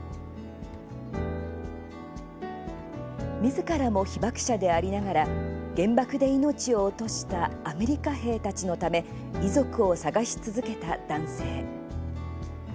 みずからも被爆者でありながら原爆で命を落としたアメリカ兵たちのため遺族を捜し続けた男性。